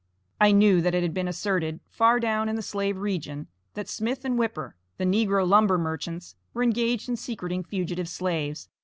_ I knew that it had been asserted, far down in the slave region, that Smith & Whipper, the negro lumber merchants, were engaged in secreting fugitive slaves.